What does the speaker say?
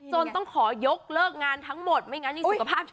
ต้องขอยกเลิกงานทั้งหมดไม่งั้นนี่สุขภาพจะ